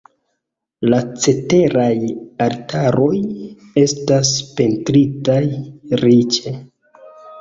La ceteraj altaroj estas pentritaj riĉe.